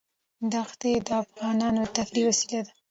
دښتې د افغانانو د تفریح وسیله ده.